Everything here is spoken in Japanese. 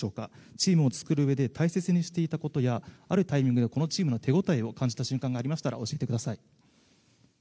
チームを作るうえで大切にしていたことやあるタイミングでこのチームの手応えを感じた瞬間がありましたら教えてください。